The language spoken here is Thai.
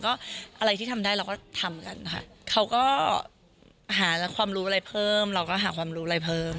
ก็อะไรที่ทำได้เราก็ทำกันค่ะเขาก็หาความรู้อะไรเพิ่มเราก็หาความรู้อะไรเพิ่ม